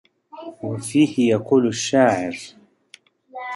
وَفِيهِ يَقُولُ الشَّاعِرُ